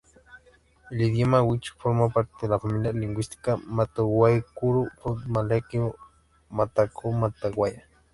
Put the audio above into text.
El idioma wichí forma parte de la familia lingüística mataco-guaicurú, subfamilia "mataco-mataguayo".